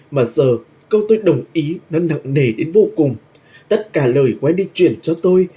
mà giờ câu tôi đồng ý nó nặng nề đến vô cùng tất cả lời wendy truyền cho tôi